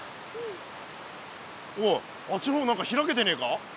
おいあっちの方何か開けてねえか。